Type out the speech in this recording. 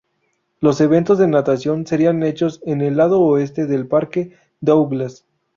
Los eventos de natación serían hechos en el lado oeste del Parque Douglas.